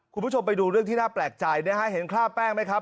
คุณผู้ชมไปดูเรื่องที่น่าแปลกใจนะฮะเห็นคราบแป้งไหมครับ